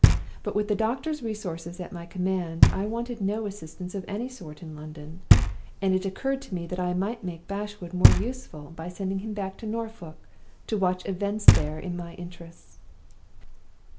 But with the doctor's resources at my command, I wanted no assistance of any sort in London; and it occurred to me that I might make Bashwood more useful by sending him back to Norfolk to watch events there in my interests.